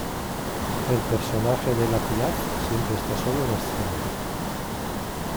El personaje de La Piaf siempre está solo en escena.